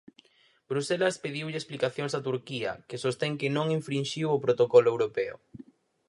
Bruxelas pediulle explicacións a Turquía, que sostén que non infrinxiu o protocolo europeo.